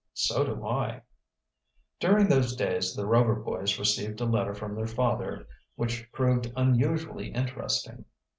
"So do I." During those days the Rover boys received a letter from their father which proved unusually interesting.